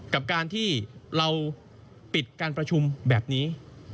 กับการที่เราปิดการประชุมแบบนี้